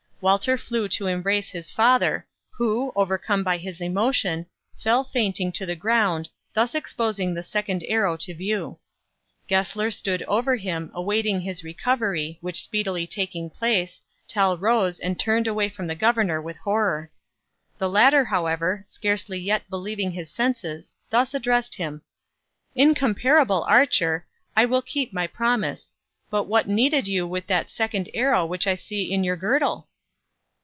Walter flew to embrace his father, who, overcome by his emotion, fell fainting to the ground, thus exposing the second arrow to view. Gessler stood over him, awaiting his recovery, which speedily taking place, Tell rose, and turned away from the governor with horror. The latter, however, scarcely yet believing his senses, thus addressed him: "Incomparable archer, I will keep my promise; but what needed you with that second arrow which I see in your girdle?"